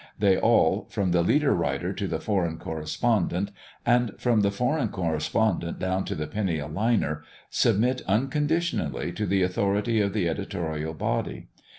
They all, from the leader writer to the foreign correspondent, and from the foreign correspondent down to the penny a liner, submit unconditionally to the authority of the editorial body.